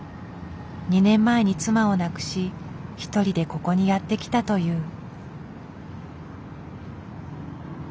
２年前に妻を亡くし一人でここにやって来たという。